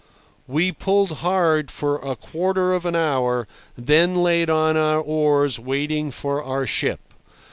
We pulled hard for a quarter of an hour, then laid on our oars waiting for our ship.